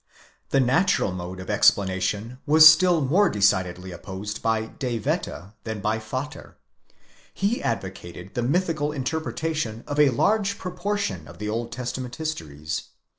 The natural mode of explanation was still more decidedly opposed by De Wette than by Vater. He advocated the mythical interpretation of a large proportion of the Old Testament histories.